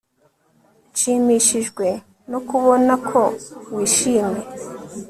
nshimishijwe no kubona ko wishimye